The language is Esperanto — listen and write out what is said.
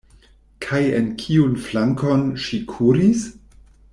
Kaj en kiun flankon ŝi kuris?